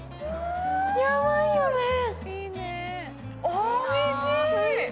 おいしい！